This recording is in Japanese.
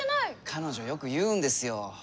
彼女よく言うんですよ。